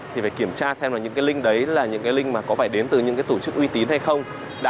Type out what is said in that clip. thì phải kiểm tra xem là những cái link đấy là những cái link mà có phải đến từ những cái tổ chức uy tín hay không